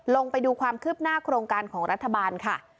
ลงไปดูความคืบหน้าโครงการของรัฐบาลค่ะ